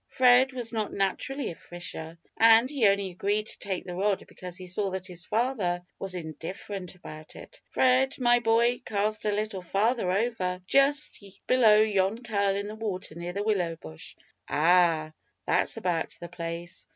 Fred was not naturally a fisher, and he only agreed to take the rod because he saw that his father was indifferent about it. "Fred, my boy, cast a little farther over, just below yon curl in the water near the willow bush ah! that's about the place.